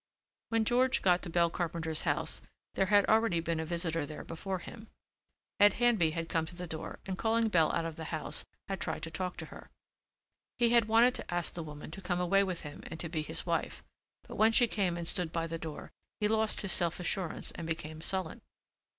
When George got to Belle Carpenter's house there had already been a visitor there before him. Ed Handby had come to the door and calling Belle out of the house had tried to talk to her. He had wanted to ask the woman to come away with him and to be his wife, but when she came and stood by the door he lost his self assurance and became sullen.